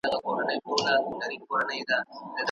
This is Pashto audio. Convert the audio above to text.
علمي ښېګڼې په انسان کي د بریا لویه لاره هواروي.